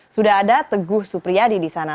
sudah ada teguh supriyadi di sana